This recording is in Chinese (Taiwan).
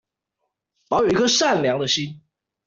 保有一顆善良的心